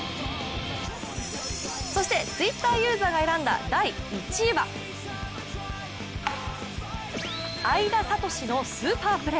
そして、Ｔｗｉｔｔｅｒユーザーが選んだ第１位は英田理志のスーパープレー。